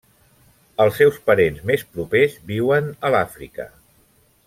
Els seus parents més propers viuen a l'Àfrica.